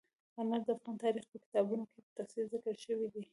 انار د افغان تاریخ په کتابونو کې په تفصیل ذکر شوي دي.